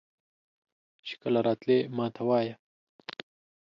چې کله راتلې ماته وایه.